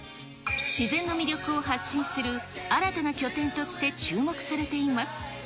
自然の魅力を発信する、新たな拠点として注目されています。